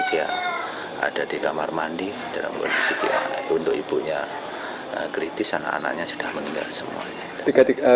dia ada di kamar mandi dalam kondisi untuk ibunya kritis anak anaknya sudah meninggal semuanya